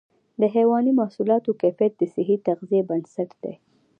د حيواني محصولاتو کیفیت د صحي تغذیې بنسټ دی.